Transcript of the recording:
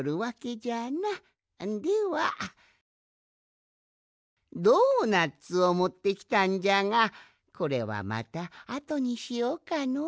ではドーナツをもってきたんじゃがこれはまたあとにしようかのう。